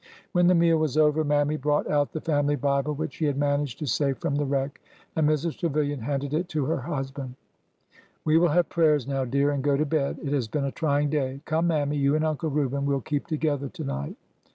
When the meal was over Mammy brought out the family Bible, which she had managed to save from the wreck, and Mrs. Trevilian handed it to her husband. We will have prayers now, dear, and go to bed. It has been a trying day. Come, Mammy, you and Uncle Reuben — we 'll keep together to night.